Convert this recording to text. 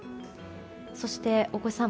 そして、大越さん